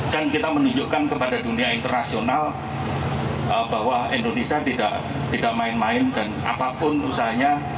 dan kita menunjukkan kepada dunia internasional bahwa indonesia tidak main main dan apapun usahanya